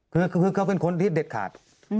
คือเขาเป็นคนที่เด็ดขาด